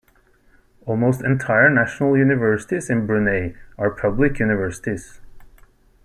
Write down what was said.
Almost entire national universities in Brunei are public universities.